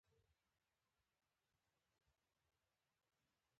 اخلاقي وجدان ایماني ژمنو اساس چلند کوي.